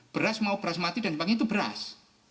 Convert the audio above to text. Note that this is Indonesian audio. beras mau beras mati dan bank itu beras